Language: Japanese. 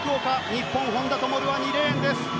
日本、本多灯は２レーンです。